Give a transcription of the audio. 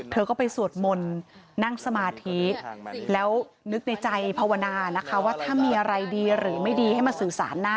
เธอก็ไปสวดมนต์นั่งสมาธิแล้วนึกในใจภาวนานะคะว่าถ้ามีอะไรดีหรือไม่ดีให้มาสื่อสารนะ